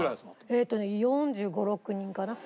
えっとね４５４６人かな。